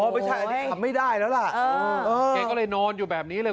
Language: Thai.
อ๋อไม่ใช่กี่ขับไม่ได้แล้วแหละเออแหละแกก็เลยนอนอยู่แบบนี้เลย